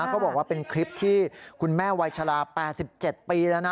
เขาบอกว่าเป็นคลิปที่คุณแม่วัยชะลา๘๗ปีแล้วนะ